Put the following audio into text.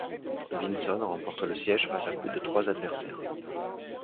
Vinson remporte le siège face à plus de trois adversaires.